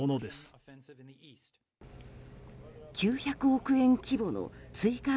９００億円規模の追加